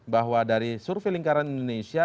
bahwa dari survei lingkaran indonesia